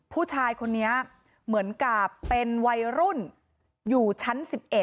ผู้ชายคนนี้เหมือนกับเป็นวัยรุ่นอยู่ชั้น๑๑